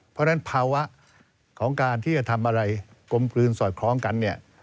เพราะฉะนั้นภาวะของการที่จะทำอะไรกลมกลืนสอดคล้องกันเนี่ย